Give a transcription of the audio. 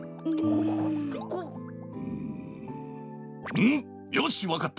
うむよしわかった！